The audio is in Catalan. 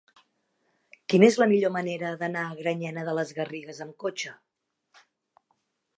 Quina és la millor manera d'anar a Granyena de les Garrigues amb cotxe?